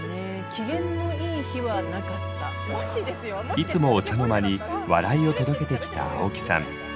いつもお茶の間に笑いを届けてきた青木さん。